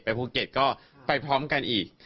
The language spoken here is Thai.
ภูเก็ตก็ไปพร้อมกันอีก